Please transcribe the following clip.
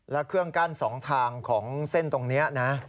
แล้วเครื่องกั้น๒ทางของเส้นตรงนี้นะ